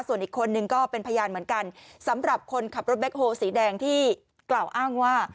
ส่วนอีกคนนึงก็เป็นพยานเหมือนกันสำหรับคนขับรถแบ็คโฮสีแดงที่กล่าวอ้างว่า